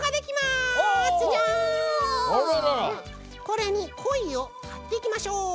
これにコイをはっていきましょう。